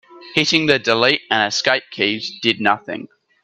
Hitting the delete and escape keys did nothing.